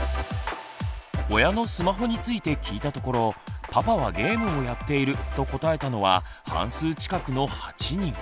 親のスマホについて聞いたところ「パパはゲームをやっている」と答えたのは半数近くの８人。